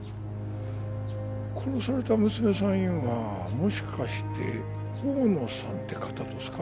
殺された娘さんいうんはもしかして大野さんって方どすか？